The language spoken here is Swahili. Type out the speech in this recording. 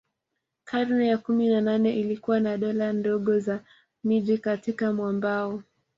Karne ya kumi na nane ilikuwa na dola ndogo za miji katika mwambao